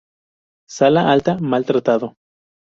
Sala alta: mal tratado.